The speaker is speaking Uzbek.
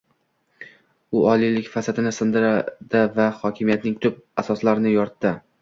u “oliylik” fasadini sindirdi va hokimiyatning “tub” asoslarini yoritdi